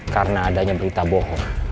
karena adanya berita bohong